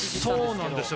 そうなんですよ。